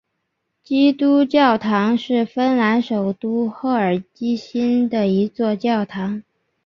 基督教堂是芬兰首都赫尔辛基的一座教堂。